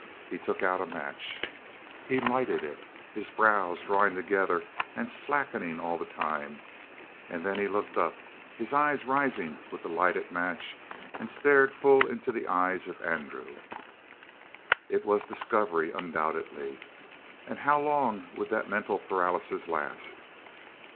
He took out a match. He lighted it, his brows drawing together and slackening all the time, and then he looked up, his eyes rising with the lighted match, and stared full into the eyes of Andrew. It was discovery undoubtedly and how long would that mental paralysis last?